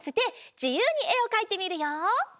じゆうにえをかいてみるよ！